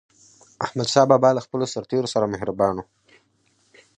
احمدشاه بابا به له خپلو سرتېرو سره مهربان و.